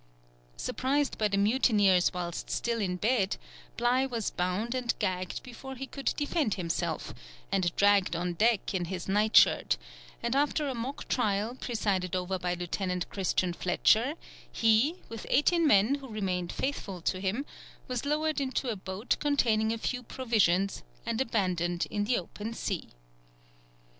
Surprised by the mutineers whilst still in bed, Bligh was bound and gagged before he could defend himself, and dragged on deck in his night shirt, and after a mock trial, presided over by Lieutenant Christian Fletcher, he, with eighteen men who remained faithful to him, was lowered into a boat containing a few provisions, and abandoned in the open sea.